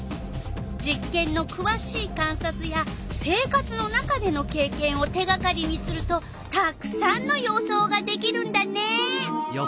実けんのくわしい観察や生活の中でのけいけんを手がかりにするとたくさんの予想ができるんだね。